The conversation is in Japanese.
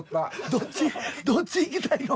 どっちどっち行きたいの？